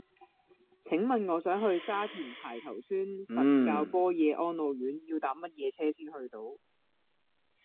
請問我想去沙田排頭村佛教般若安老院要搭乜嘢車先去到